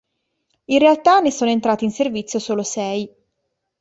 In realtà ne sono entrati in servizio solo sei.